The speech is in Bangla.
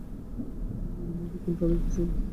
মুভি কোনটা দেখতে চান?